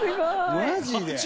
マジで？